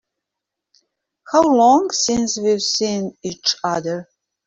How long since we've seen each other?